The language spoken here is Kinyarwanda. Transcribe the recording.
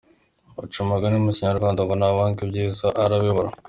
Baca umugani mu Kinyarwanda ngo’Ntawanga ibyiza arabibura’.